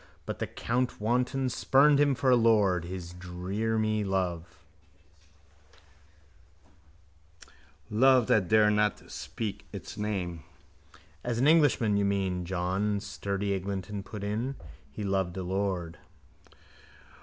But the court wanton spurned him for a lord, his dearmylove. Love that dare not speak its name. —As an Englishman, you mean, John sturdy Eglinton put in, he loved a lord.